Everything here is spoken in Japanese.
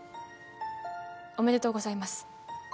おめでとうございます。